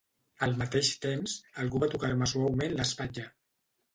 Al mateix temps, algú va tocar-me suaument l'espatlla.